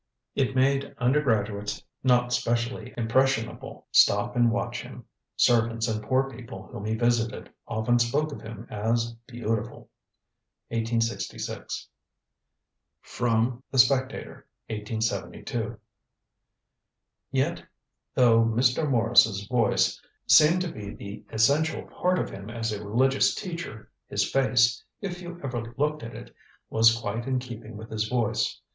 It made undergraduates, not specially impressionable, stop and watch him.... Servants and poor people whom he visited often spoke of him as 'beautiful.'" 1866. [Sidenote: The Spectator, 1872.] "Yet though Mr. Maurice's voice seemed to be the essential part of him as a religious teacher, his face, if you ever looked at it, was quite in keeping with his voice.